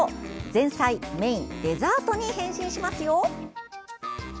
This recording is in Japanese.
前菜、メイン、デザートに変身しますよ。